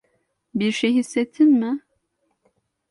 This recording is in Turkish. Bir şey hissettin mi?